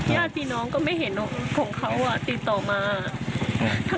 ญาติพี่น้องก็ไม่เห็นของเขาอ่ะติดต่อมา